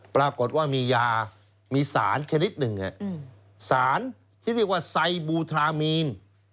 ปรากฏว่ามียามีสารชนิดหนึ่งสารที่เรียกว่าไซบูทรามีน